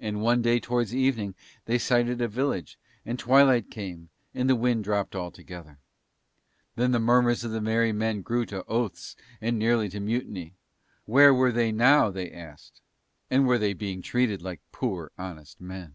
And one day towards evening they sighted a village, and twilight came and the wind dropped altogether. Then the murmurs of the merry men grew to oaths and nearly to mutiny. "Where were they now?" they asked, and were they being treated like poor honest men?